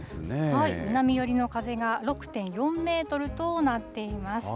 南寄りの風が６．４メートルとなっています。